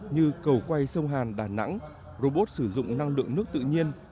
như cầu quay sông hàn đà nẵng robot sử dụng năng lượng nước tự nhiên